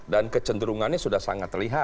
dan kecenderungannya sudah sangat terlihat